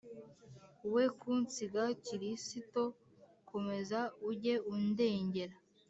We kunsiga kirisito komeza ujye undengera